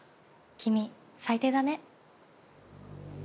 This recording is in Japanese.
君最低だね。